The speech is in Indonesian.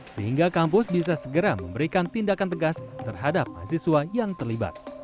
sehingga kampus bisa segera memberikan tindakan tegas terhadap mahasiswa yang terlibat